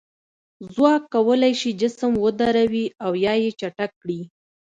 ځواک کولی شي جسم ودروي یا یې چټک کړي.